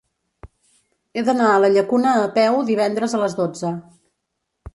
He d'anar a la Llacuna a peu divendres a les dotze.